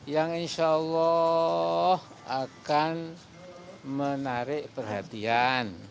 yang insyaallah akan menarik perhatian